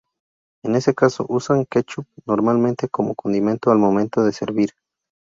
En ese caso usan Ketchup normalmente como condimento al momento de servir.